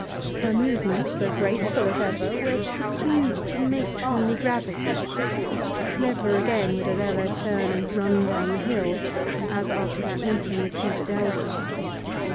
Her movements, though graceful as ever, were subdued to matronly gravity; never again would Adela turn and run down the hill, as after that meeting with Hubert Eldon.